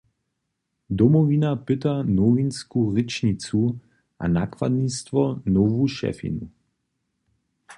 Domowina pyta nowinsku rěčnicu a nakładnistwo nowu šefinu.